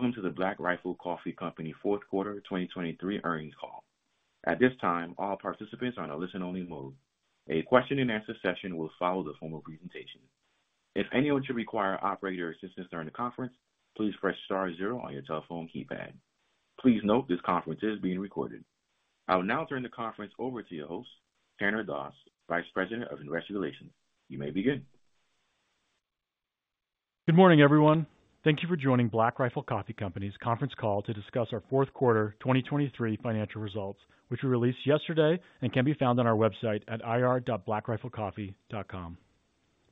Greetings. Welcome to the Black Rifle Coffee Company Q4 2023 earnings call. At this time, all participants are on a listen-only mode. A question-and-answer session will follow the formal presentation. If anyone should require operator assistance during the conference, please press star zero on your telephone keypad. Please note, this conference is being recorded. I will now turn the conference over to your host, Tanner Doss, Vice President of Investor Relations. You may begin. Good morning, everyone. Thank you for joining Black Rifle Coffee Company's conference call to discuss our Q4 2023 financial results, which we released yesterday and can be found on our website at ir.blackriflecoffee.com.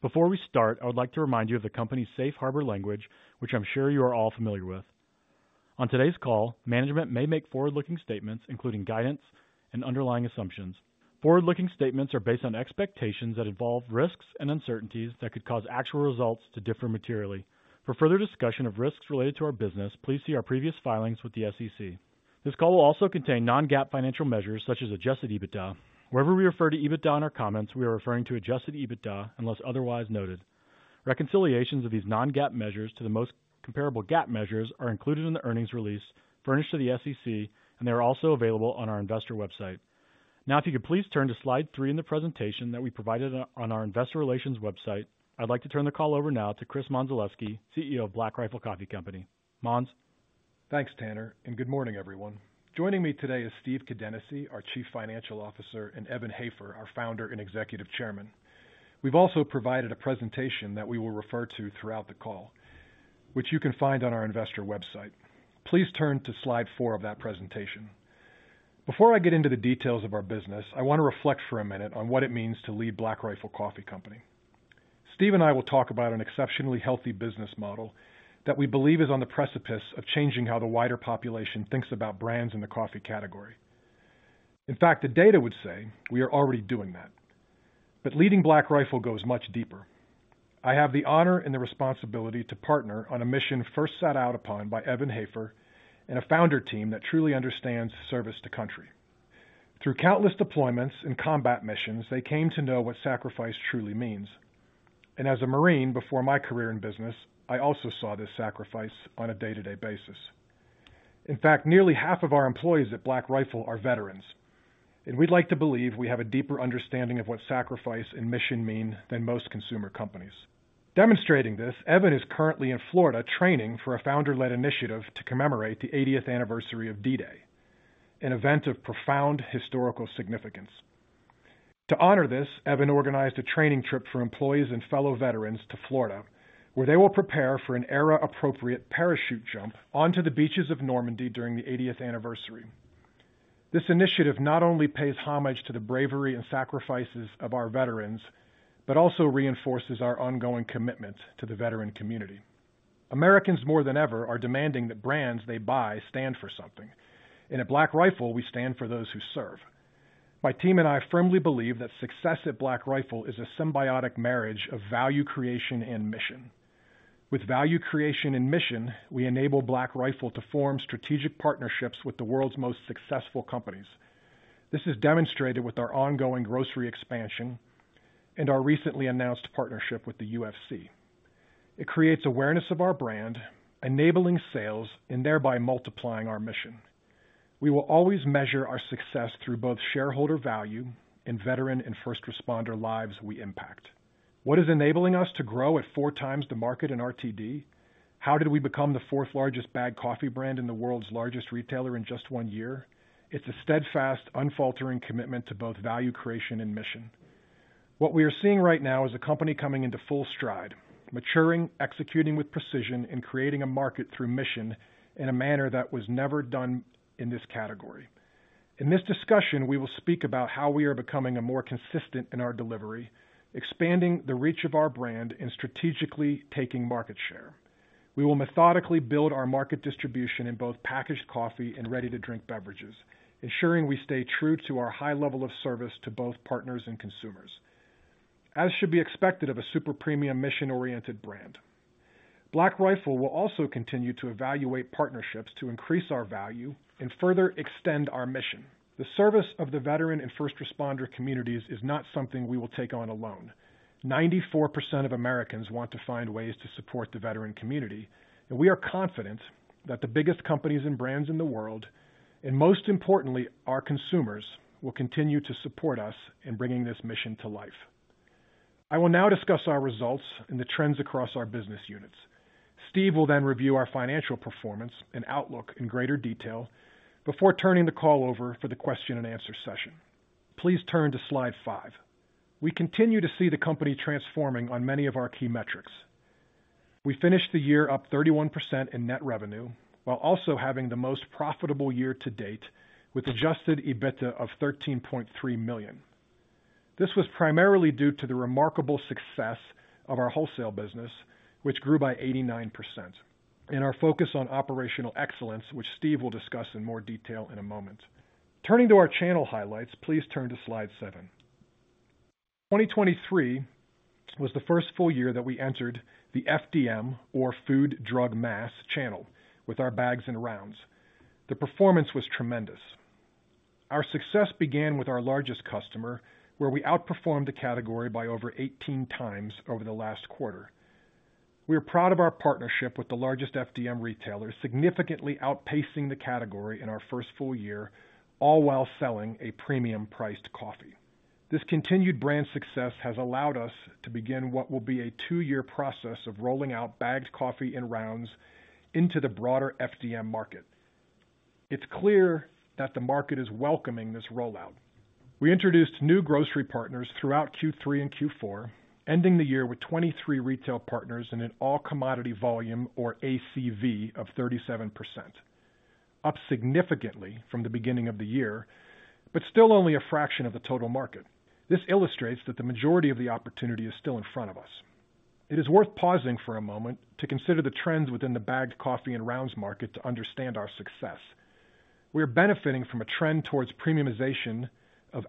Before we start, I would like to remind you of the company's Safe Harbor language, which I'm sure you are all familiar with. On today's call, management may make forward-looking statements, including guidance and underlying assumptions. Forward-looking statements are based on expectations that involve risks and uncertainties that could cause actual results to differ materially. For further discussion of risks related to our business, please see our previous filings with the SEC. This call will also contain non-GAAP financial measures such as Adjusted EBITDA. Wherever we refer to EBITDA in our comments, we are referring to Adjusted EBITDA, unless otherwise noted. Reconciliations of these non-GAAP measures to the most comparable GAAP measures are included in the earnings release furnished to the SEC, and they are also available on our investor website. Now, if you could please turn to Slide three in the presentation that we provided on our investor relations website. I'd like to turn the call over now to Chris Mondzelewski, CEO of Black Rifle Coffee Company. Mondz? Thanks, Tanner, and good morning, everyone. Joining me today is Steve Kadenacy, our Chief Financial Officer, and Evan Hafer, our Founder and Executive Chairman. We've also provided a presentation that we will refer to throughout the call, which you can find on our investor website. Please turn to Slide four of that presentation. Before I get into the details of our business, I want to reflect for a minute on what it means to lead Black Rifle Coffee Company. Steve and I will talk about an exceptionally healthy business model that we believe is on the precipice of changing how the wider population thinks about brands in the coffee category. In fact, the data would say we are already doing that. But leading Black Rifle goes much deeper. I have the honor and the responsibility to partner on a mission first set out upon by Evan Hafer and a founder team that truly understands service to country. Through countless deployments and combat missions, they came to know what sacrifice truly means, and as a Marine before my career in business, I also saw this sacrifice on a day-to-day basis. In fact, nearly half of our employees at Black Rifle are veterans, and we'd like to believe we have a deeper understanding of what sacrifice and mission mean than most consumer companies. Demonstrating this, Evan is currently in Florida, training for a founder-led initiative to commemorate the eightieth anniversary of D-Day, an event of profound historical significance. To honor this, Evan organized a training trip for employees and fellow veterans to Florida, where they will prepare for an era-appropriate parachute jump onto the beaches of Normandy during the 80th anniversary. This initiative not only pays homage to the bravery and sacrifices of our veterans, but also reinforces our ongoing commitment to the veteran community. Americans, more than ever, are demanding that brands they buy stand for something, and at Black Rifle, we stand for those who serve. My team and I firmly believe that success at Black Rifle is a symbiotic marriage of value creation and mission. With value creation and mission, we enable Black Rifle to form strategic partnerships with the world's most successful companies. This is demonstrated with our ongoing grocery expansion and our recently announced partnership with the UFC. It creates awareness of our brand, enabling sales and thereby multiplying our mission. We will always measure our success through both shareholder value and veteran and first responder lives we impact. What is enabling us to grow at four times the market in RTD? How did we become the fourth largest bagged coffee brand in the world's largest retailer in just one year? It's a steadfast, unfaltering commitment to both value creation and mission. What we are seeing right now is a company coming into full stride, maturing, executing with precision, and creating a market through mission in a manner that was never done in this category. In this discussion, we will speak about how we are becoming a more consistent in our delivery, expanding the reach of our brand, and strategically taking market share. We will methodically build our market distribution in both packaged coffee and ready-to-drink beverages, ensuring we stay true to our high level of service to both partners and consumers, as should be expected of a super premium mission-oriented brand. Black Rifle will also continue to evaluate partnerships to increase our value and further extend our mission. The service of the veteran and first responder communities is not something we will take on alone. 94% of Americans want to find ways to support the veteran community, and we are confident that the biggest companies and brands in the world, and most importantly, our consumers, will continue to support us in bringing this mission to life. I will now discuss our results and the trends across our business units. Steve will then review our financial performance and outlook in greater detail before turning the call over for the question-and-answer session. Please turn to Slide five. We continue to see the company transforming on many of our key metrics. We finished the year up 31% in net revenue, while also having the most profitable year to date with adjusted EBITDA of $13.3 million. This was primarily due to the remarkable success of our wholesale business, which grew by 89%, and our focus on operational excellence, which Steve will discuss in more detail in a moment. Turning to our channel highlights, please turn to Slide seven. 2023 was the first full year that we entered the FDM or Food, Drug, Mass Channel with our bags and Rounds. The performance was tremendous. Our success began with our largest customer, where we outperformed the category by over 18 times over the last quarter. We are proud of our partnership with the largest FDM retailer, significantly outpacing the category in our first full year, all while selling a premium-priced coffee. This continued brand success has allowed us to begin what will be a two-year process of rolling out bagged coffee and Rounds into the broader FDM market. It's clear that the market is welcoming this rollout. We introduced new grocery partners throughout Q3 and Q4, ending the year with 23 retail partners in an All Commodity Volume, or ACV, of 37%, up significantly from the beginning of the year, but still only a fraction of the total market. This illustrates that the majority of the opportunity is still in front of us. It is worth pausing for a moment to consider the trends within the bagged coffee and Rounds market to understand our success. We are benefiting from a trend towards premiumization of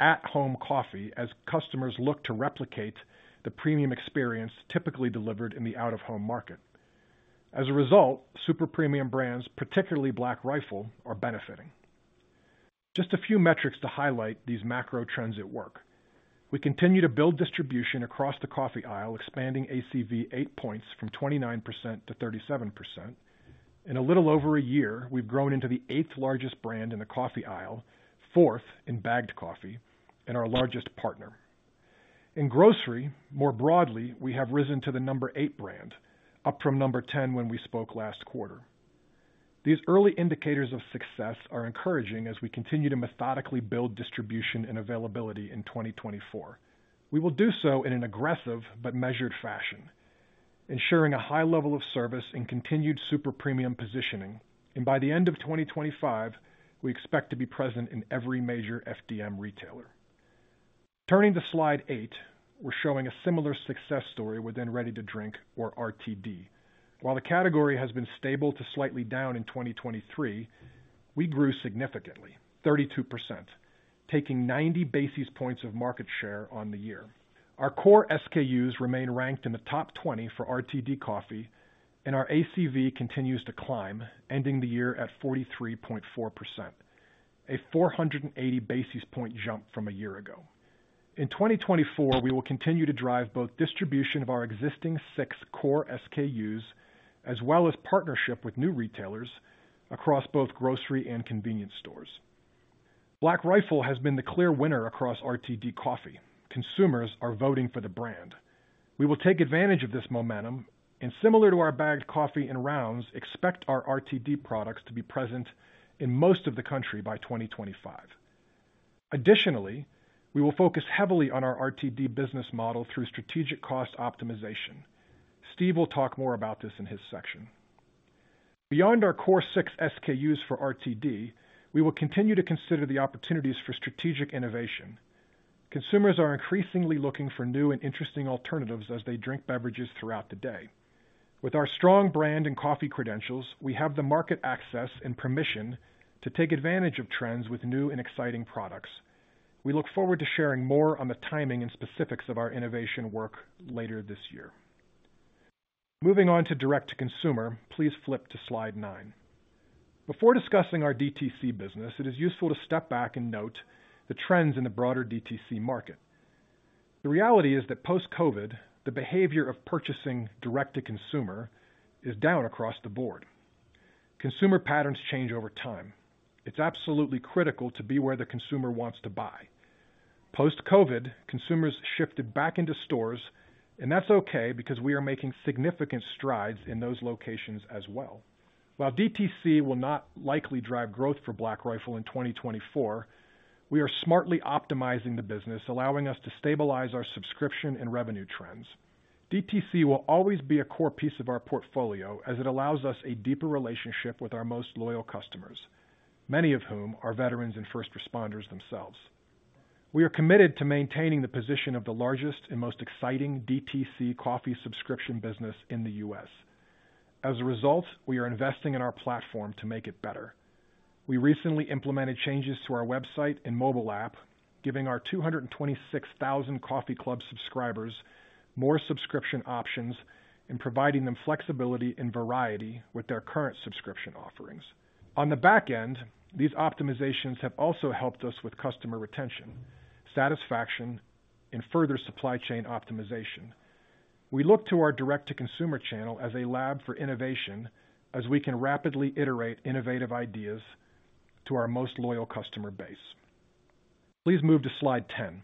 at-home coffee as customers look to replicate the premium experience typically delivered in the out-of-home market. As a result, super premium brands, particularly Black Rifle, are benefiting. Just a few metrics to highlight these macro trends at work. We continue to build distribution across the coffee aisle, expanding ACV 8 points from 29%-37%. In a little over a year, we've grown into the eighth largest brand in the coffee aisle, fourth in bagged coffee and our largest partner. In grocery, more broadly, we have risen to the number eight brand, up from number 10 when we spoke last quarter. These early indicators of success are encouraging as we continue to methodically build distribution and availability in 2024. We will do so in an aggressive but measured fashion, ensuring a high level of service and continued super premium positioning. By the end of 2025, we expect to be present in every major FDM retailer. Turning to Slide eight, we're showing a similar success story within Ready-to-Drink or RTD. While the category has been stable to slightly down in 2023, we grew significantly, 32%, taking 90 basis points of market share on the year. Our core SKUs remain ranked in the top 20 for RTD coffee, and our ACV continues to climb, ending the year at 43.4%, a 480 basis point jump from a year ago. In 2024, we will continue to drive both distribution of our existing six core SKUs, as well as partnership with new retailers across both grocery and convenience stores. Black Rifle has been the clear winner across RTD coffee. Consumers are voting for the brand. We will take advantage of this momentum and similar to our bagged coffee and Rounds, expect our RTD products to be present in most of the country by 2025. Additionally, we will focus heavily on our RTD business model through strategic cost optimization. Steve will talk more about this in his section. Beyond our core six SKUs for RTD, we will continue to consider the opportunities for strategic innovation. Consumers are increasingly looking for new and interesting alternatives as they drink beverages throughout the day. With our strong brand and coffee credentials, we have the market access and permission to take advantage of trends with new and exciting products. We look forward to sharing more on the timing and specifics of our innovation work later this year. Moving on to Direct-to-Consumer, please flip to Slide nine. Before discussing our DTC business, it is useful to step back and note the trends in the broader DTC market. The reality is that post-COVID, the behavior of purchasing Direct-to-Consumer is down across the board. Consumer patterns change over time. It's absolutely critical to be where the consumer wants to buy. Post-COVID, consumers shifted back into stores, and that's okay because we are making significant strides in those locations as well. While DTC will not likely drive growth for Black Rifle in 2024, we are smartly optimizing the business, allowing us to stabilize our subscription and revenue trends. DTC will always be a core piece of our portfolio as it allows us a deeper relationship with our most loyal customers, many of whom are veterans and first responders themselves. We are committed to maintaining the position of the largest and most exciting DTC coffee subscription business in the U.S. As a result, we are investing in our platform to make it better. We recently implemented changes to our website and mobile app, giving our 226,000 Coffee Club subscribers more subscription options and providing them flexibility and variety with their current subscription offerings. On the back end, these optimizations have also helped us with customer retention, satisfaction, and further supply chain optimization. We look to our Direct-to-Consumer channel as a lab for innovation, as we can rapidly iterate innovative ideas to our most loyal customer base. Please move to Slide 10.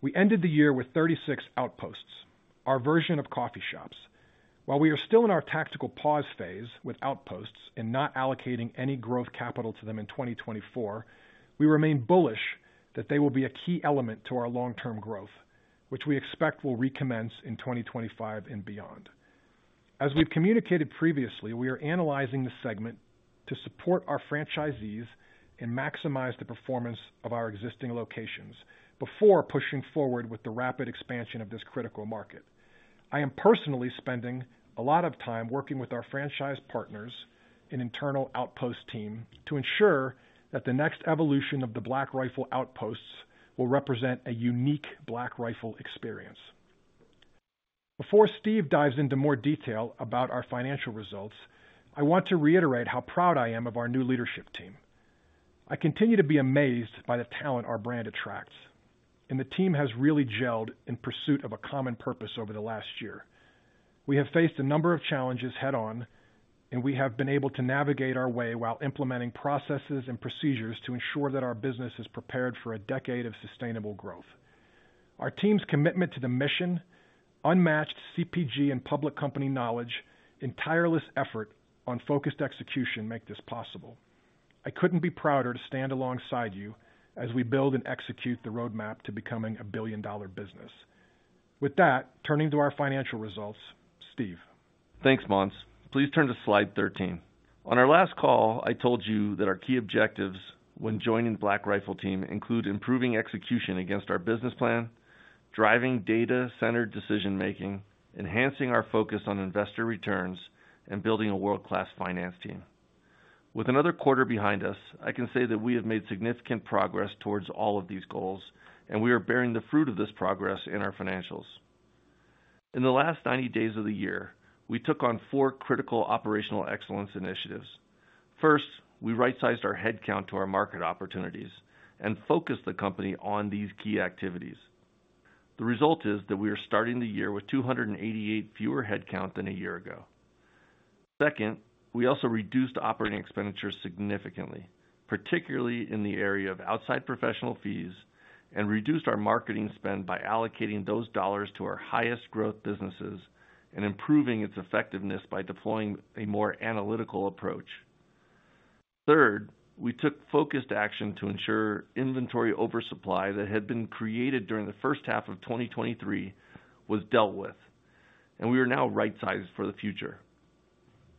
We ended the year with 36 Outposts, our version of coffee shops. While we are still in our tactical pause phase with Outposts and not allocating any growth capital to them in 2024, we remain bullish that they will be a key element to our long-term growth, which we expect will recommence in 2025 and beyond. As we've communicated previously, we are analyzing the segment to support our franchisees and maximize the performance of our existing locations before pushing forward with the rapid expansion of this critical market. I am personally spending a lot of time working with our franchise partners and internal Outposts team to ensure that the next evolution of the Black Rifle Outposts will represent a unique Black Rifle experience. Before Steve dives into more detail about our financial results, I want to reiterate how proud I am of our new leadership team. I continue to be amazed by the talent our brand attracts, and the team has really gelled in pursuit of a common purpose over the last year. We have faced a number of challenges head-on, and we have been able to navigate our way while implementing processes and procedures to ensure that our business is prepared for a decade of sustainable growth. Our team's commitment to the mission, unmatched CPG and public company knowledge, and tireless effort on focused execution make this possible. I couldn't be prouder to stand alongside you as we build and execute the roadmap to becoming a billion-dollar business. With that, turning to our financial results, Steve. Thanks, Mondz. Please turn to Slide 13. On our last call, I told you that our key objectives when joining the Black Rifle team include improving execution against our business plan, driving data-centered decision-making, enhancing our focus on investor returns, and building a world-class finance team. With another quarter behind us, I can say that we have made significant progress towards all of these goals, and we are bearing the fruit of this progress in our financials. In the last 90 days of the year, we took on four critical operational excellence initiatives. First, we right-sized our headcount to our market opportunities and focused the company on these key activities. The result is that we are starting the year with 288 fewer headcount than a year ago. Second, we also reduced operating expenditures significantly, particularly in the area of outside professional fees, and reduced our marketing spend by allocating those dollars to our highest growth businesses and improving its effectiveness by deploying a more analytical approach. Third, we took focused action to ensure inventory oversupply that had been created during the first half of 2023 was dealt with, and we are now right-sized for the future.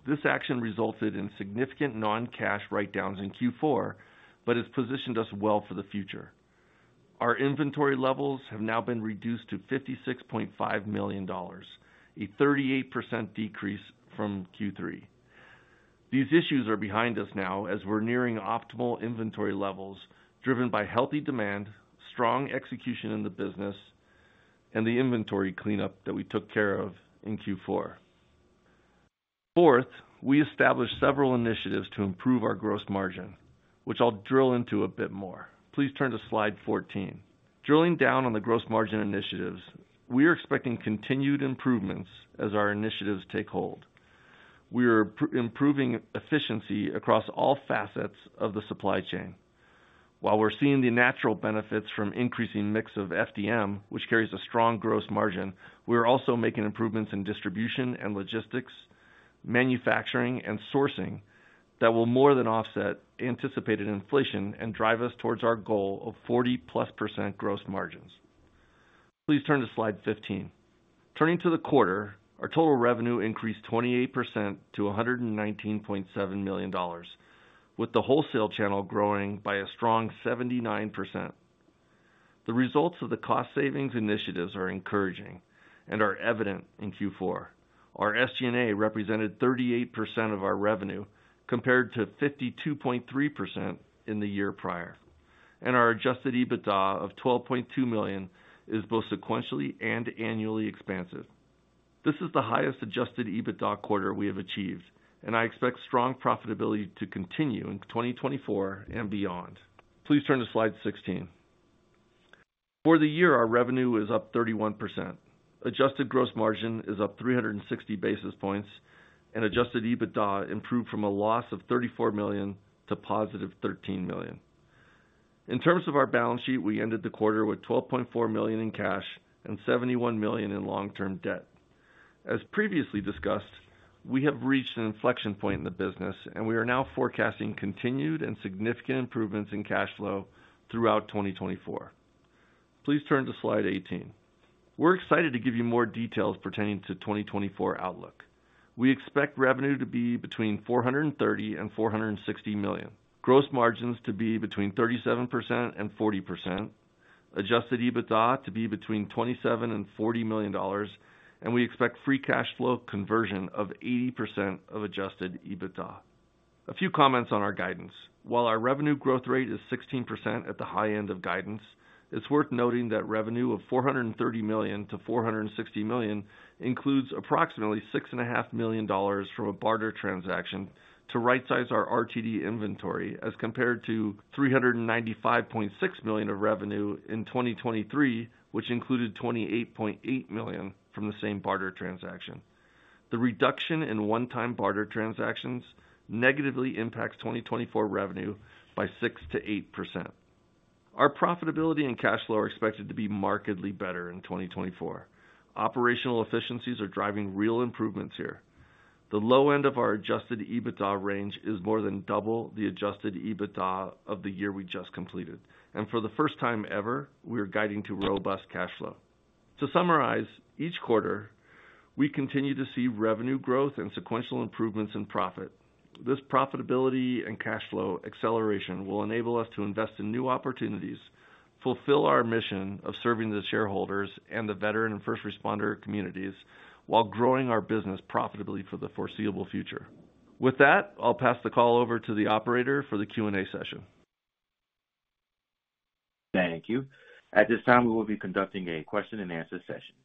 This action resulted in significant non-cash write-downs in Q4, but has positioned us well for the future. Our inventory levels have now been reduced to $56.5 million, a 38% decrease from Q3. These issues are behind us now as we're nearing optimal inventory levels, driven by healthy demand, strong execution in the business, and the inventory cleanup that we took care of in Q4. Fourth, we established several initiatives to improve our gross margin, which I'll drill into a bit more. Please turn to Slide 14. Drilling down on the gross margin initiatives, we are expecting continued improvements as our initiatives take hold. We are improving efficiency across all facets of the supply chain. While we're seeing the natural benefits from increasing mix of FDM, which carries a strong gross margin, we are also making improvements in distribution and logistics, manufacturing and sourcing that will more than offset anticipated inflation and drive us towards our goal of 40+% gross margins. Please turn to Slide 15. Turning to the quarter, our total revenue increased 28% to $119.7 million, with the wholesale channel growing by a strong 79%. The results of the cost savings initiatives are encouraging and are evident in Q4. Our SG&A represented 38% of our revenue, compared to 52.3% in the year prior, and our adjusted EBITDA of $12.2 million is both sequentially and annually expansive. This is the highest adjusted EBITDA quarter we have achieved, and I expect strong profitability to continue in 2024 and beyond. Please turn to Slide 16. For the year, our revenue is up 31%. Adjusted gross margin is up 360 basis points, and adjusted EBITDA improved from a loss of $34 million to positive $13 million. In terms of our balance sheet, we ended the quarter with $12.4 million in cash and $71 million in long-term debt. As previously discussed, we have reached an inflection point in the business, and we are now forecasting continued and significant improvements in cash flow throughout 2024. Please turn to Slide 18. We're excited to give you more details pertaining to 2024 outlook. We expect revenue to be between $430 million and $460 million, gross margins to be between 37% and 40%, adjusted EBITDA to be between $27 million and $40 million, and we expect free cash flow conversion of 80% of adjusted EBITDA. A few comments on our guidance. While our revenue growth rate is 16% at the high end of guidance, it's worth noting that revenue of $430 million-$460 million includes approximately $6.5 million from a barter transaction to rightsize our RTD inventory, as compared to $395.6 million of revenue in 2023, which included $28.8 million from the same barter transaction. The reduction in one-time barter transactions negatively impacts 2024 revenue by 6%-8%. Our profitability and cash flow are expected to be markedly better in 2024. Operational efficiencies are driving real improvements here. The low end of our Adjusted EBITDA range is more than double the Adjusted EBITDA of the year we just completed, and for the first time ever, we are guiding to robust cash flow. To summarize, each quarter, we continue to see revenue growth and sequential improvements in profit. This profitability and cash flow acceleration will enable us to invest in new opportunities, fulfill our mission of serving the shareholders and the veteran and first responder communities, while growing our business profitably for the foreseeable future. With that, I'll pass the call over to the operator for the Q&A session.... Thank you. At this time, we will be conducting a question-and-answer session.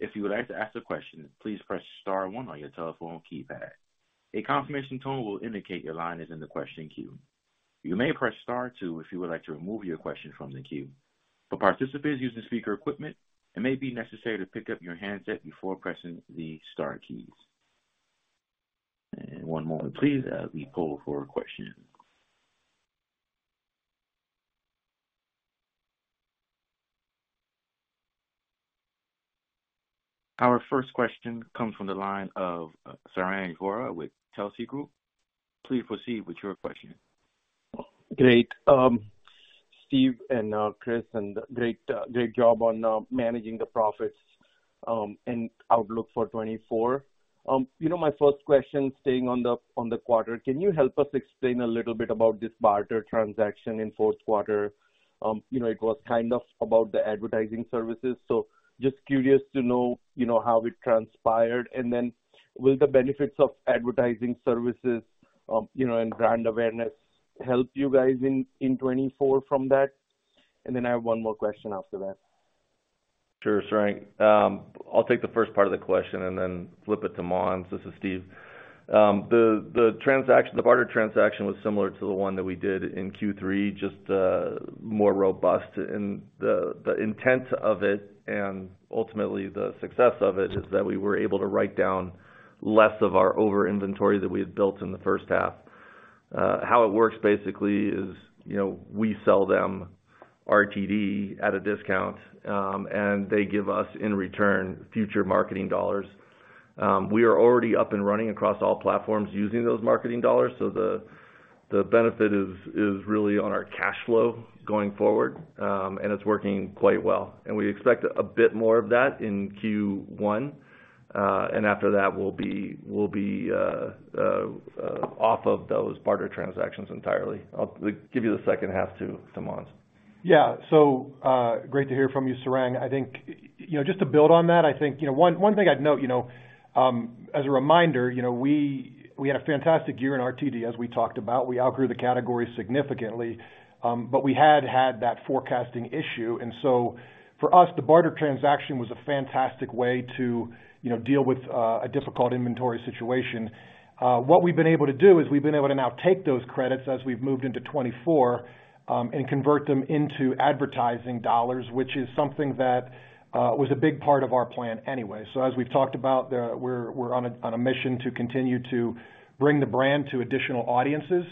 If you would like to ask a question, please press star one on your telephone keypad. A confirmation tone will indicate your line is in the question queue. You may press star two if you would like to remove your question from the queue. For participants using speaker equipment, it may be necessary to pick up your handset before pressing the star keys. And one moment, please, as we poll for a question. Our first question comes from the line of Sarang Vora with Telsey Advisory Group. Please proceed with your question. Great. Steve and, Chris, and great, great job on, managing the profits, and outlook for 2024. You know, my first question, staying on the, on the quarter, can you help us explain a little bit about this barter transaction in Q4? You know, it was kind of about the advertising services, so just curious to know, you know, how it transpired. And then will the benefits of advertising services, you know, and brand awareness help you guys in, in 2024 from that? And then I have one more question after that. Sure, Sarang. I'll take the first part of the question and then flip it to Mondz. This is Steve. The transaction, the barter transaction was similar to the one that we did in Q3, just more robust. And the intent of it and ultimately the success of it is that we were able to write down less of our over inventory that we had built in the first half. How it works basically is, you know, we sell them RTD at a discount, and they give us, in return, future marketing dollars. We are already up and running across all platforms using those marketing dollars, so the benefit is really on our cash flow going forward, and it's working quite well. We expect a bit more of that in Q1, and after that, we'll be off of those barter transactions entirely. I'll give you the second half to Mondzelewski. Yeah. So, great to hear from you, Sarang. I think, you know, just to build on that, I think, you know, one thing I'd note, you know, as a reminder, you know, we had a fantastic year in RTD, as we talked about. We outgrew the category significantly, but we had had that forecasting issue. And so for us, the barter transaction was a fantastic way to, you know, deal with a difficult inventory situation. What we've been able to do is we've been able to now take those credits as we've moved into 2024, and convert them into advertising dollars, which is something that was a big part of our plan anyway. So as we've talked about, we're on a mission to continue to bring the brand to additional audiences.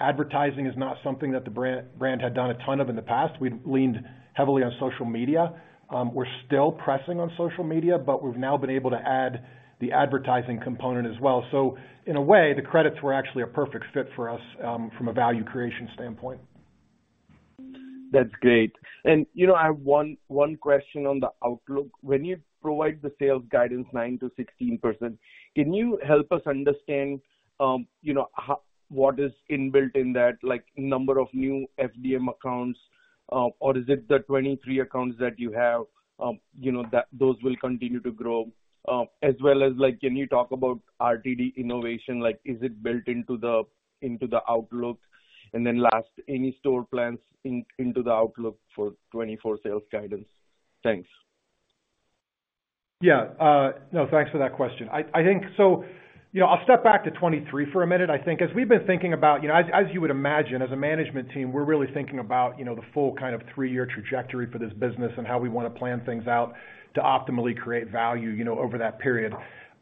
Advertising is not something that the brand had done a ton of in the past. We'd leaned heavily on social media. We're still pressing on social media, but we've now been able to add the advertising component as well. So in a way, the credits were actually a perfect fit for us, from a value creation standpoint. That's great. You know, I have one question on the outlook. When you provide the sales guidance 9%-16%, can you help us understand, you know, what is inbuilt in that, like, number of new FDM accounts? Or is it the 23 accounts that you have, you know, that those will continue to grow? As well as, like, can you talk about RTD innovation? Like, is it built into the outlook? And then last, any store plans into the outlook for 2024 sales guidance? Thanks. Yeah. No, thanks for that question. I think so. You know, I'll step back to 2023 for a minute. I think as we've been thinking about, you know, as, as you would imagine, as a management team, we're really thinking about, you know, the full kind of three-year trajectory for this business and how we want to plan things out to optimally create value, you know, over that period.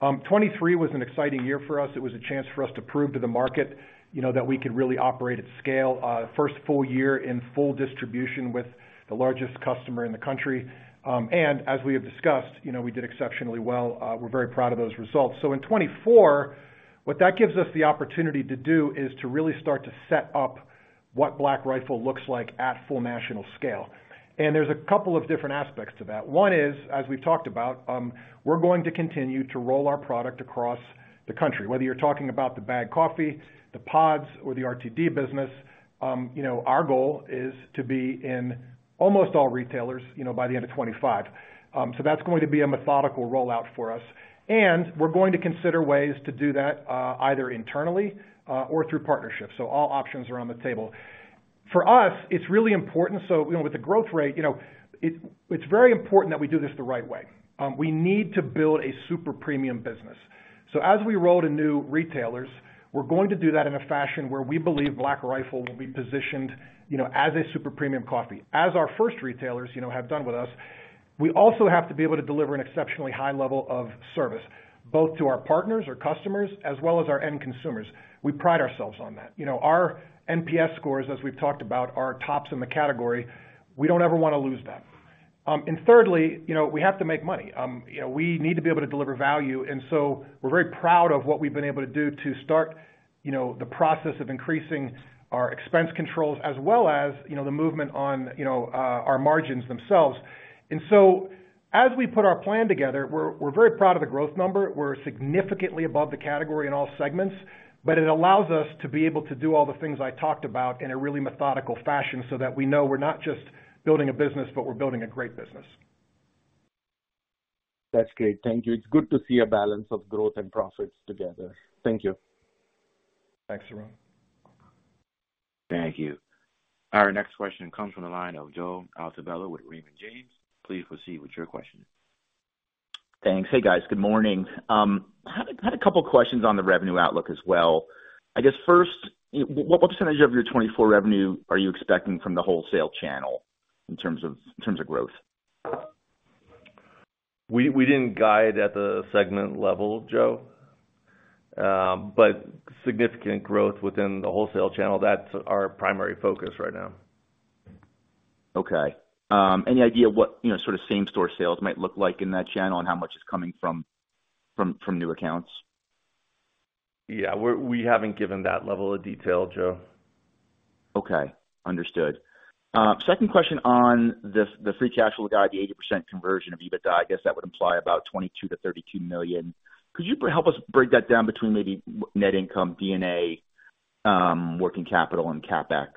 2023 was an exciting year for us. It was a chance for us to prove to the market, you know, that we could really operate at scale, first full year in full distribution with the largest customer in the country. And as we have discussed, you know, we did exceptionally well. We're very proud of those results. So in 2024, what that gives us the opportunity to do is to really start to set up what Black Rifle looks like at full national scale. There's a couple of different aspects to that. One is, as we've talked about, we're going to continue to roll our product across the country, whether you're talking about the bagged coffee, the pods, or the RTD business. You know, our goal is to be in almost all retailers, you know, by the end of 2025. So that's going to be a methodical rollout for us. We're going to consider ways to do that, either internally, or through partnerships. All options are on the table. For us, it's really important, so, you know, with the growth rate, you know, it, it's very important that we do this the right way. We need to build a super premium business. So as we roll to new retailers, we're going to do that in a fashion where we believe Black Rifle will be positioned, you know, as a super premium coffee, as our first retailers, you know, have done with us. We also have to be able to deliver an exceptionally high level of service, both to our partners, our customers, as well as our end consumers. We pride ourselves on that. You know, our NPS scores, as we've talked about, are tops in the category. We don't ever want to lose that. And thirdly, you know, we have to make money. You know, we need to be able to deliver value, and so we're very proud of what we've been able to do to start, you know, the process of increasing our expense controls as well as, you know, the movement on, you know, our margins themselves. And so, as we put our plan together, we're very proud of the growth number. We're significantly above the category in all segments, but it allows us to be able to do all the things I talked about in a really methodical fashion, so that we know we're not just building a business, but we're building a great business... That's great. Thank you. It's good to see a balance of growth and profits together. Thank you. Thanks, Sarang. Thank you. Our next question comes from the line of Joe Altobello with Raymond James. Please proceed with your question. Thanks. Hey, guys. Good morning. Had a couple of questions on the revenue outlook as well. I guess first, what percentage of your 2024 revenue are you expecting from the wholesale channel in terms of growth? We didn't guide at the segment level, Joe, but significant growth within the wholesale channel, that's our primary focus right now. Okay. Any idea what, you know, sort of same-store sales might look like in that channel and how much is coming from new accounts? Yeah, we haven't given that level of detail, Joe. Okay, understood. Second question on the free cash flow guide, the 80% conversion of EBITDA, I guess, that would imply about $22 million-$32 million. Could you help us break that down between maybe net income, D&A, working capital and CapEx?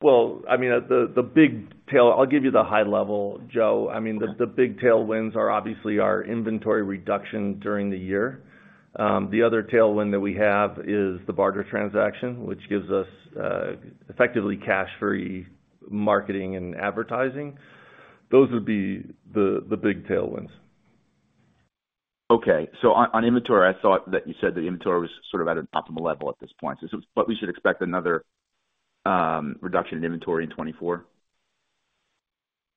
Well, I mean, I'll give you the high level, Joe. I mean, the big tailwinds are obviously our inventory reduction during the year. The other tailwind that we have is the barter transaction, which gives us effectively cash-free marketing and advertising. Those would be the big tailwinds. Okay. So on inventory, I thought that you said the inventory was sort of at an optimal level at this point. So, but we should expect another reduction in inventory in 2024?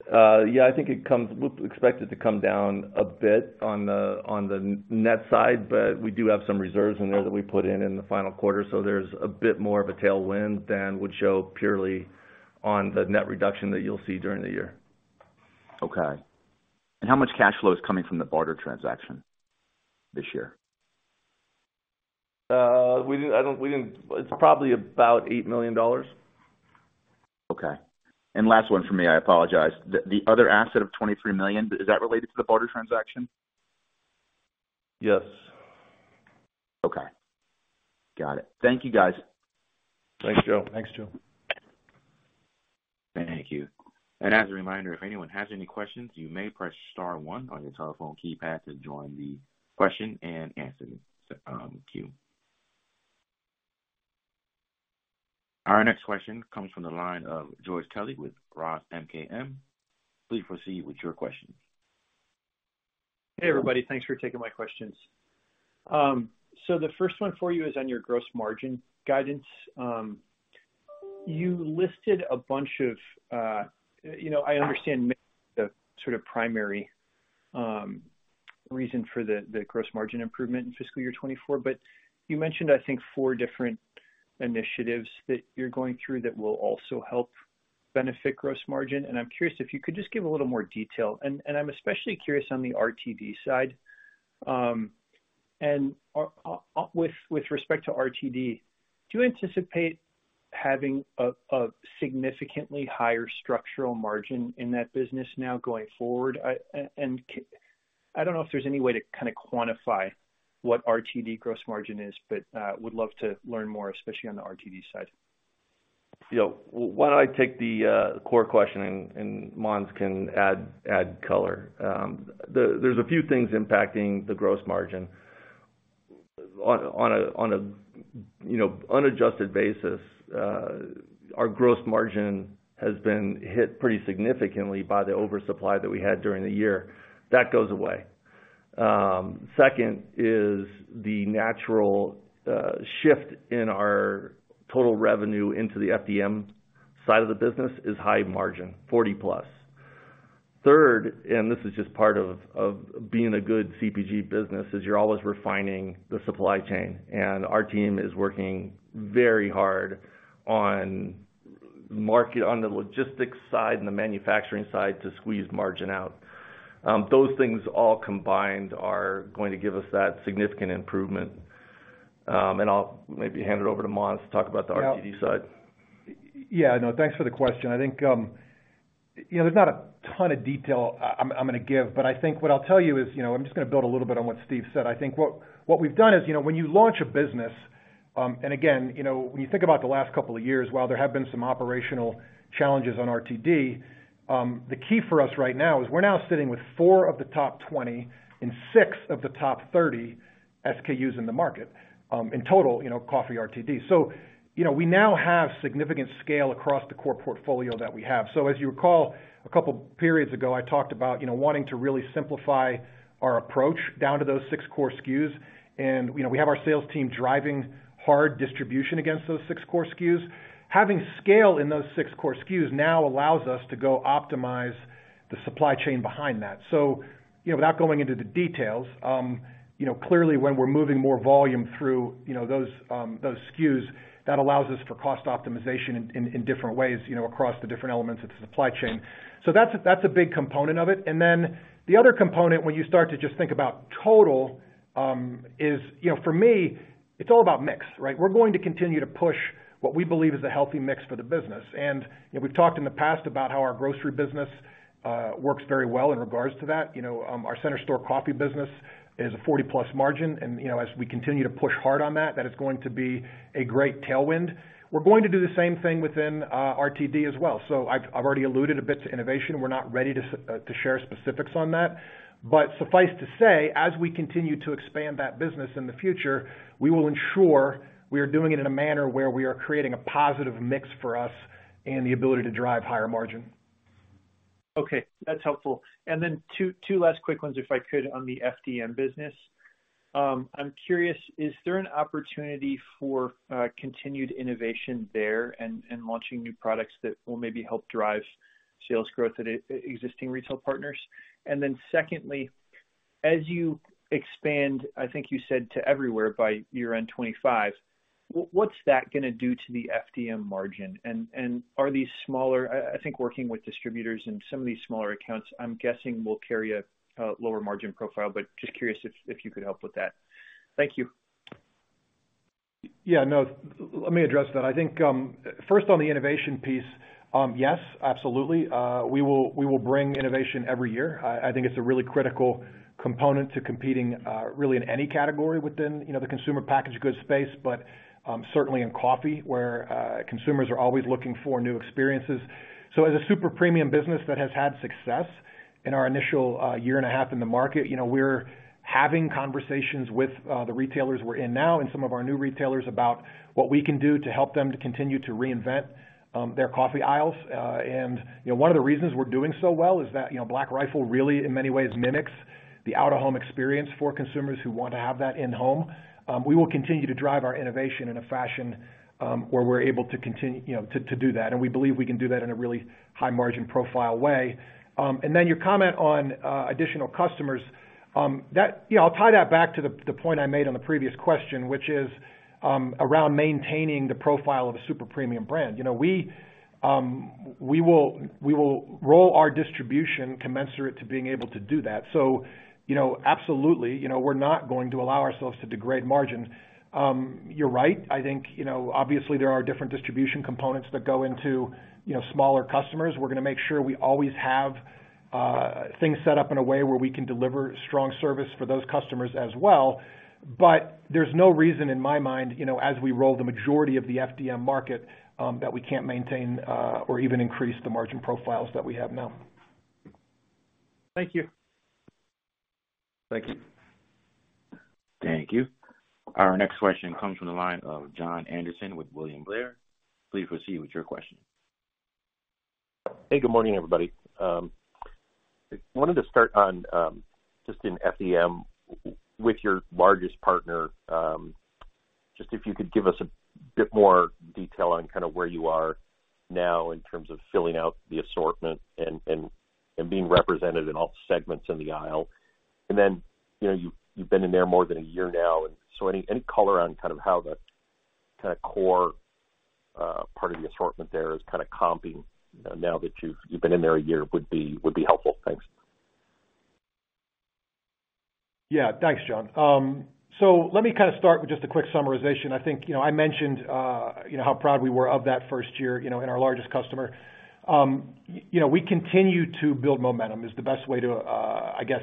Yeah, I think it comes. We expect it to come down a bit on the net side, but we do have some reserves in there that we put in the final quarter, so there's a bit more of a tailwind than would show purely on the net reduction that you'll see during the year. Okay. And how much cash flow is coming from the barter transaction this year? It's probably about $8 million. Okay. Last one for me, I apologize. The other asset of $23 million, is that related to the barter transaction? Yes. Okay. Got it. Thank you, guys. Thanks, Joe. Thanks, Joe. Thank you. As a reminder, if anyone has any questions, you may press star one on your telephone keypad to join the question-and-answer queue. Our next question comes from the line of George Kelly with Roth MKM. Please proceed with your question. Hey, everybody. Thanks for taking my questions. So the first one for you is on your gross margin guidance. You listed a bunch of, you know, I understand the sort of primary reason for the gross margin improvement in fiscal year 2024, but you mentioned, I think, four different initiatives that you're going through that will also help benefit gross margin. I'm curious if you could just give a little more detail. I'm especially curious on the RTD side. And with respect to RTD, do you anticipate having a significantly higher structural margin in that business now going forward? I don't know if there's any way to kinda quantify what RTD gross margin is, but would love to learn more, especially on the RTD side. Yeah. Why don't I take the core question and Mondz can add color? There's a few things impacting the gross margin. On a, you know, unadjusted basis, our gross margin has been hit pretty significantly by the oversupply that we had during the year. That goes away. Second is the natural shift in our total revenue into the FDM side of the business is high margin, 40-plus. Third, and this is just part of being a good CPG business, is you're always refining the supply chain, and our team is working very hard on margin, on the logistics side and the manufacturing side to squeeze margin out. Those things all combined are going to give us that significant improvement. And I'll maybe hand it over to Mondz to talk about the RTD side. Yeah. No, thanks for the question. I think, you know, there's not a ton of detail I'm gonna give, but I think what I'll tell you is, you know, I'm just gonna build a little bit on what Steve said. I think what we've done is, you know, when you launch a business, and again, you know, when you think about the last couple of years, while there have been some operational challenges on RTD, the key for us right now is we're now sitting with four of the top 20 and six of the top 30 SKUs in the market, in total, you know, coffee RTD. So, you know, we now have significant scale across the core portfolio that we have. So as you recall, a couple of periods ago, I talked about, you know, wanting to really simplify our approach down to those six core SKUs, and, you know, we have our sales team driving hard distribution against those six core SKUs. Having scale in those six core SKUs now allows us to go optimize the supply chain behind that. So, you know, without going into the details, you know, clearly, when we're moving more volume through, you know, those, those SKUs, that allows us for cost optimization in, in, in different ways, you know, across the different elements of the supply chain. So that's a, that's a big component of it. And then the other component, when you start to just think about total, is, you know, for me, it's all about mix, right? We're going to continue to push what we believe is a healthy mix for the business. And, you know, we've talked in the past about how our grocery business works very well in regards to that. You know, our center store coffee business is a 40-plus margin, and, you know, as we continue to push hard on that, that is going to be a great tailwind. We're going to do the same thing within RTD as well. So I've already alluded a bit to innovation. We're not ready to share specifics on that, but suffice to say, as we continue to expand that business in the future, we will ensure we are doing it in a manner where we are creating a positive mix for us and the ability to drive higher margin.... Okay, that's helpful. And then two last quick ones, if I could, on the FDM business. I'm curious, is there an opportunity for continued innovation there and launching new products that will maybe help drive sales growth at existing retail partners? And then secondly, as you expand, I think you said to everywhere by year-end 2025, what's that gonna do to the FDM margin? And are these smaller, I think working with distributors in some of these smaller accounts, I'm guessing, will carry a lower margin profile, but just curious if you could help with that. Thank you. Yeah, no, let me address that. I think, first on the innovation piece, yes, absolutely. We will, we will bring innovation every year. I, I think it's a really critical component to competing, really in any category within, you know, the consumer packaged goods space, but, certainly in coffee, where, consumers are always looking for new experiences. So as a super premium business that has had success in our initial, year and a half in the market, you know, we're having conversations with, the retailers we're in now and some of our new retailers about what we can do to help them to continue to reinvent, their coffee aisles. And, you know, one of the reasons we're doing so well is that, you know, Black Rifle really, in many ways, mimics the out-of-home experience for consumers who want to have that in-home. We will continue to drive our innovation in a fashion where we're able to continue, you know, to do that, and we believe we can do that in a really high margin profile way. And then your comment on additional customers that you know, I'll tie that back to the point I made on the previous question, which is around maintaining the profile of a super premium brand. You know, we will roll our distribution commensurate to being able to do that. So, you know, absolutely, you know, we're not going to allow ourselves to degrade margin. You're right. I think, you know, obviously, there are different distribution components that go into, you know, smaller customers. We're gonna make sure we always have things set up in a way where we can deliver strong service for those customers as well. But there's no reason in my mind, you know, as we roll the majority of the FDM market that we can't maintain or even increase the margin profiles that we have now. Thank you. Thank you. Thank you. Our next question comes from the line of Jon Andersen with William Blair. Please proceed with your question. Hey, good morning, everybody. I wanted to start on just in FDM with your largest partner, just if you could give us a bit more detail on kind of where you are now in terms of filling out the assortment and, and, and being represented in all segments in the aisle. And then, you know, you've, you've been in there more than a year now, and so any, any color around kind of how the kind of core part of the assortment there is kind of comping now that you've, you've been in there a year would be, would be helpful. Thanks. Yeah. Thanks, John. So let me kind of start with just a quick summarization. I think, you know, I mentioned, you know, how proud we were of that first year, you know, in our largest customer. You know, we continue to build momentum is the best way to, I guess,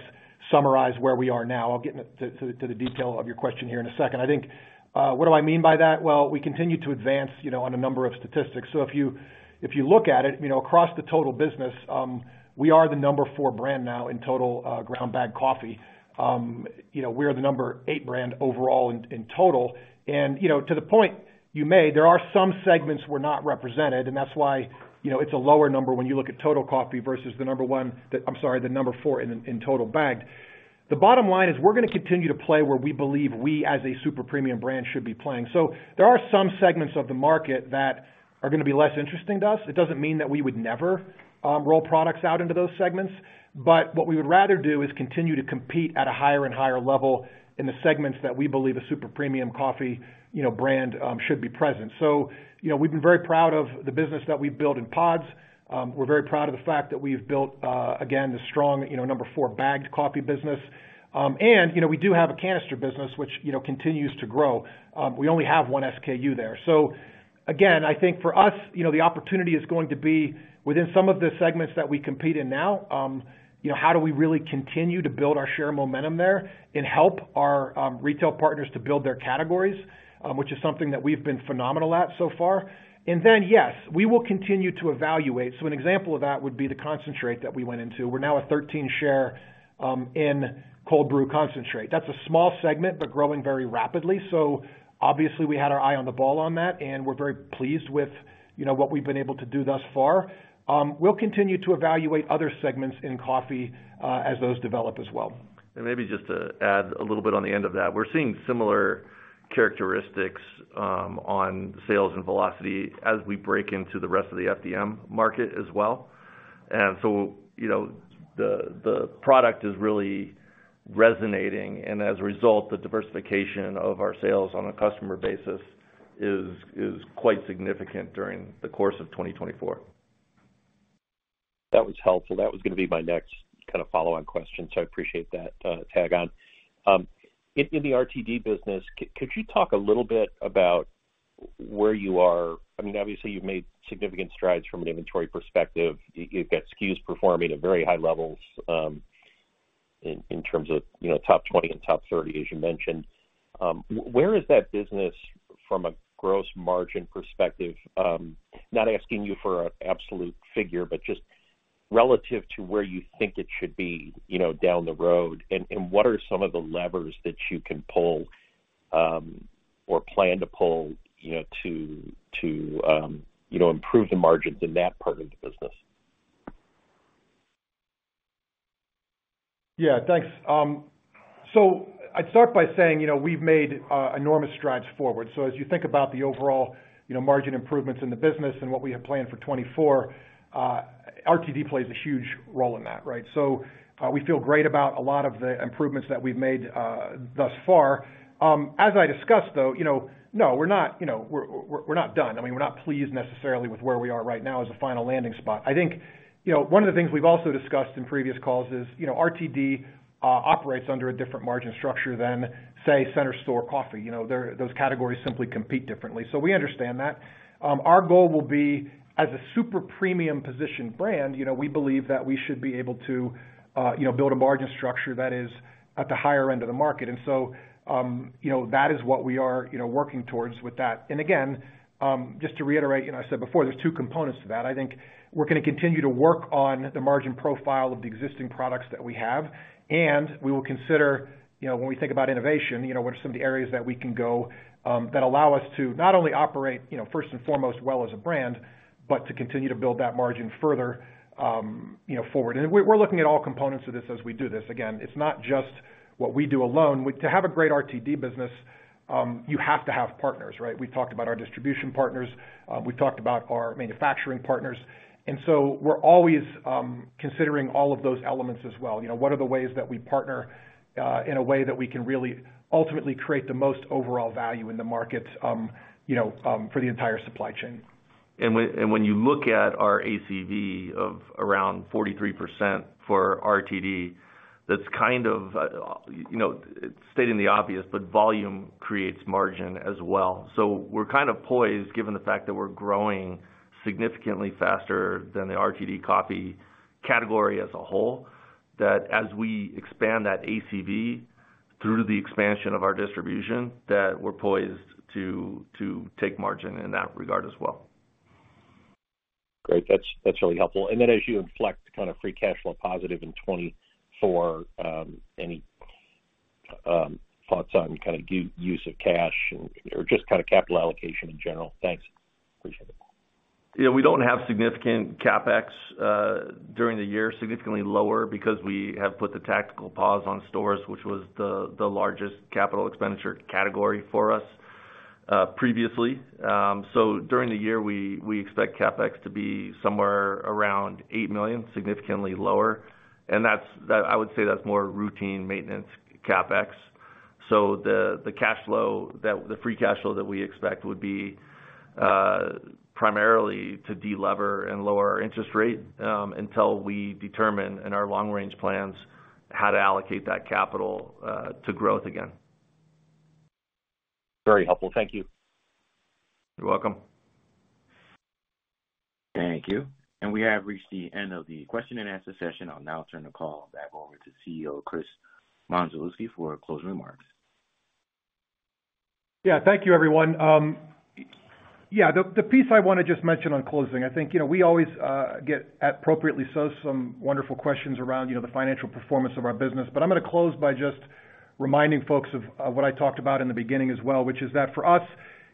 summarize where we are now. I'll get into the detail of your question here in a second. I think, what do I mean by that? Well, we continue to advance, you know, on a number of statistics. So if you look at it, you know, across the total business, we are the number 4 brand now in total ground bag coffee. You know, we are the number 8 brand overall in total. You know, to the point you made, there are some segments we're not represented, and that's why, you know, it's a lower number when you look at total coffee versus the number one... I'm sorry, the number four in total bagged. The bottom line is, we're gonna continue to play where we believe we, as a super premium brand, should be playing. So there are some segments of the market that are gonna be less interesting to us. It doesn't mean that we would never roll products out into those segments, but what we would rather do is continue to compete at a higher and higher level in the segments that we believe a super premium coffee, you know, brand, should be present. So, you know, we've been very proud of the business that we've built in pods. We're very proud of the fact that we've built, again, a strong, you know, number four bagged coffee business. And, you know, we do have a canister business, which, you know, continues to grow. We only have one SKU there. So again, I think for us, you know, the opportunity is going to be within some of the segments that we compete in now. You know, how do we really continue to build our share momentum there and help our, retail partners to build their categories, which is something that we've been phenomenal at so far. And then, yes, we will continue to evaluate. So an example of that would be the concentrate that we went into. We're now a 13 share, in cold brew concentrate. That's a small segment, but growing very rapidly. Obviously, we had our eye on the ball on that, and we're very pleased with, you know, what we've been able to do thus far. We'll continue to evaluate other segments in coffee, as those develop as well. And maybe just to add a little bit on the end of that, we're seeing similar characteristics on sales and velocity as we break into the rest of the FDM market as well. And so, you know, the, the product is really resonating, and as a result, the diversification of our sales on a customer basis is, is quite significant during the course of 2024. That was helpful. That was gonna be my next kind of follow-on question, so I appreciate that, tag on. In the RTD business, could you talk a little bit about where you are? I mean, obviously, you've made significant strides from an inventory perspective. You've got SKUs performing at very high levels, in terms of, you know, top 20 and top 30, as you mentioned. Where is that business from a gross margin perspective? Not asking you for an absolute figure, but just relative to where you think it should be, you know, down the road. And what are some of the levers that you can pull?... or plan to pull, you know, to improve the margin in that part of the business? Yeah, thanks. So I'd start by saying, you know, we've made enormous strides forward. So as you think about the overall, you know, margin improvements in the business and what we have planned for 2024, RTD plays a huge role in that, right? So, we feel great about a lot of the improvements that we've made thus far. As I discussed, though, you know, no, we're not, you know, we're, we're not done. I mean, we're not pleased necessarily with where we are right now as a final landing spot. I think, you know, one of the things we've also discussed in previous calls is, you know, RTD operates under a different margin structure than, say, center store coffee. You know, there—those categories simply compete differently. So we understand that. Our goal will be, as a super premium position brand, you know, we believe that we should be able to, you know, build a margin structure that is at the higher end of the market. And so, you know, that is what we are, you know, working towards with that. And again, just to reiterate, you know, I said before, there's two components to that. I think we're gonna continue to work on the margin profile of the existing products that we have, and we will consider, you know, when we think about innovation, you know, what are some of the areas that we can go, that allow us to not only operate, you know, first and foremost well as a brand, but to continue to build that margin further, you know, forward. And we're looking at all components of this as we do this. Again, it's not just what we do alone. To have a great RTD business, you have to have partners, right? We've talked about our distribution partners, we've talked about our manufacturing partners, and so we're always considering all of those elements as well. You know, what are the ways that we partner in a way that we can really ultimately create the most overall value in the market, you know, for the entire supply chain? When you look at our ACV of around 43% for RTD, that's kind of, you know, stating the obvious, but volume creates margin as well. So we're kind of poised, given the fact that we're growing significantly faster than the RTD coffee category as a whole, that as we expand that ACV through the expansion of our distribution, that we're poised to take margin in that regard as well. Great. That's, that's really helpful. And then as you inflect kind of free cash flow positive in 2024, any thoughts on kind of use of cash or just kind of capital allocation in general? Thanks. Appreciate it. Yeah, we don't have significant CapEx during the year, significantly lower because we have put the tactical pause on stores, which was the largest capital expenditure category for us, previously. So during the year, we expect CapEx to be somewhere around $8 million, significantly lower. And that's, I would say, more routine maintenance CapEx. So the free cash flow that we expect would be primarily to delever and lower our interest rate until we determine in our long-range plans how to allocate that capital to growth again. Very helpful. Thank you. You're welcome. Thank you. We have reached the end of the question-and-answer session. I'll now turn the call back over to CEO Chris Mondzelewski for closing remarks. Yeah, thank you, everyone. Yeah, the piece I wanna just mention on closing, I think, you know, we always get, appropriately so, some wonderful questions around, you know, the financial performance of our business. But I'm gonna close by just reminding folks of what I talked about in the beginning as well, which is that for us,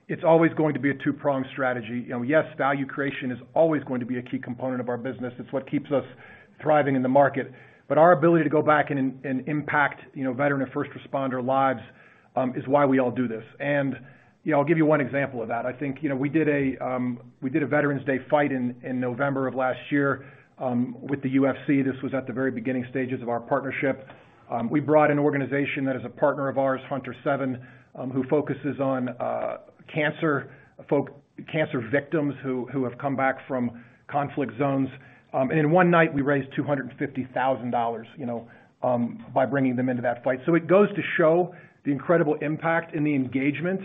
it's always going to be a two-pronged strategy. You know, yes, value creation is always going to be a key component of our business. It's what keeps us thriving in the market. But our ability to go back and impact, you know, veteran and first responder lives is why we all do this. And, you know, I'll give you one example of that. I think, you know, we did a Veterans Day fight in November of last year with the UFC. This was at the very beginning stages of our partnership. We brought an organization that is a partner of ours, HunterSeven, who focuses on cancer victims who have come back from conflict zones. And in one night, we raised $250,000, you know, by bringing them into that fight. So it goes to show the incredible impact and the engagement.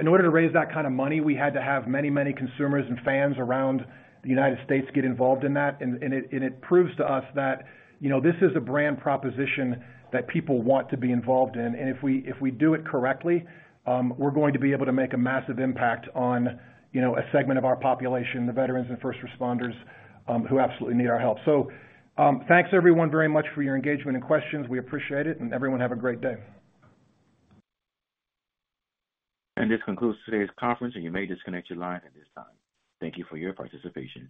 In order to raise that kind of money, we had to have many, many consumers and fans around the United States get involved in that. And it proves to us that, you know, this is a brand proposition that people want to be involved in. And if we do it correctly, we're going to be able to make a massive impact on, you know, a segment of our population, the veterans and first responders, who absolutely need our help. So, thanks everyone very much for your engagement and questions. We appreciate it, and everyone, have a great day. This concludes today's conference, and you may disconnect your line at this time. Thank you for your participation.